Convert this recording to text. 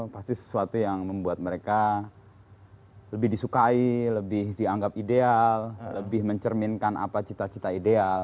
pasti sesuatu yang membuat mereka lebih disukai lebih dianggap ideal lebih mencerminkan apa cita cita ideal